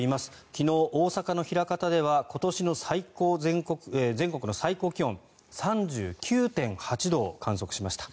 昨日、大阪の枚方では今年の全国の最高気温３９．８度を観測しました。